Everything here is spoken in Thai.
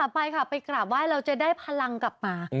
ไปค่ะไปกราบไห้เราจะได้พลังกลับมา